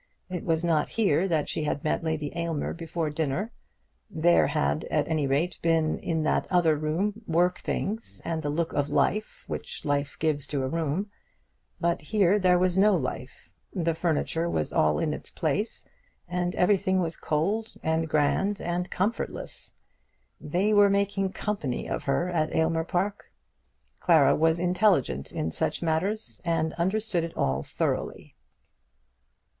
It was not here that she had met Lady Aylmer before dinner. There had, at any rate, been in that other room work things, and the look of life which life gives to a room. But here there was no life. The furniture was all in its place, and everything was cold and grand and comfortless. They were making company of her at Aylmer Park! Clara was intelligent in such matters, and understood it all thoroughly.